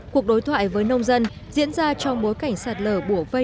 cuộc đối thoại với nông dân diễn ra trong bối cảnh sạt lở bổ vây